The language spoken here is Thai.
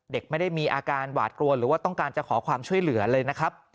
เด็กไม่ได้มีอาการหวาดกลัวหรือว่าต้องการจะขอความช่วยเหลือเลยนะครับ